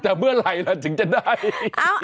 แต่เมื่อไหร่ล่ะถึงจะได้